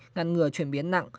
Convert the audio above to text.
ngăn ngừa chuyển biến nặng